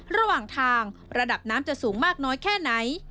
ระหว่างทางระดับน้ำจะสูงมากน้อยแค่ไหน